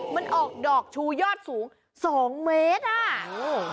มันออกดอกชูยอดสูง๒เมตร